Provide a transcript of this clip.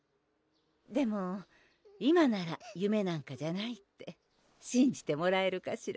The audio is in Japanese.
でも今なら夢なんかじゃないってしんじてもらえるかしら？